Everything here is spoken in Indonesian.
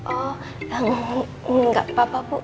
oh gak apa apa bu